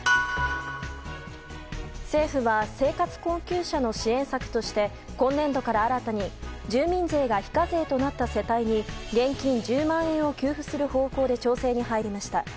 政府は生活困窮者の支援策として今年度から新たに住民税が非課税となった世帯に現金１０万円を給付する方向で調整しました。